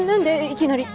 いきなり。